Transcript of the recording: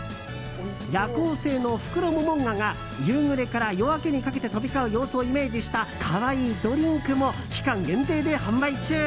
夜行性のフクロモモンガが夕暮れから夜明けにかけて飛び交う様子をイメージした可愛いドリンクも期間限定で販売中。